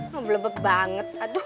lo bebek banget